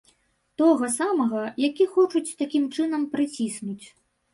Тога самага, які хочуць такім чынам прыціснуць.